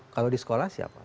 kalau di sekolah siapa